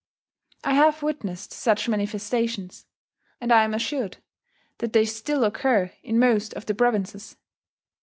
I have witnessed such manifestations, and I am assured that they still occur in most of the provinces.